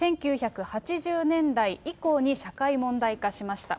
１９８０年代以降に社会問題化しました。